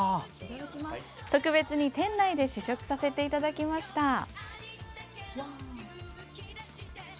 特別に店内で試食させていただきました。